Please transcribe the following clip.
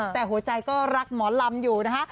แต่หัวใจก็รักหมอลำอยู่นะคะ